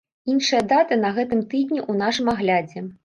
Іншыя даты на гэтым тыдні ў нашым аглядзе.